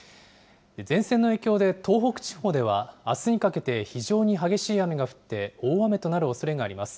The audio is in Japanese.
前線の影響で東北地方では、あすにかけて非常に激しい雨が降って大雨となるおそれがあります。